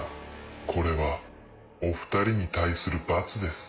これはお２人に対する罰です。